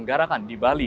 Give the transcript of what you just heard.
kepala kepala kepala